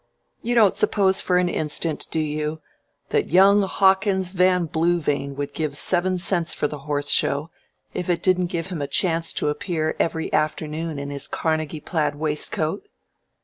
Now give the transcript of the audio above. You don't suppose for an instant, do you, that young Hawkins Van Bluevane would give seven cents for the Horse Show if it didn't give him a chance to appear every afternoon in his Carnegie plaid waistcoat?"